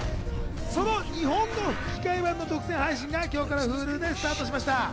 その日本語吹替版の独占配信が今日からＨｕｌｕでスタートしました。